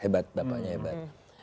hebat bapaknya hebat